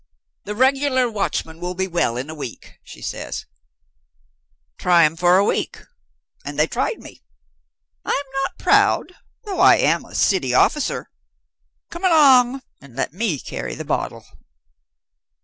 "The regular watchman will be well in a week," she says; "try him for a week." And they tried me. I'm not proud, though I am a city officer. Come along and let me carry the bottle."